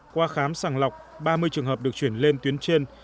qua khám sàng lọc ba mươi trường hợp được chuyển lên tuyến trên